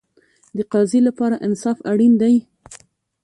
د قاضي لپاره انصاف اړین دی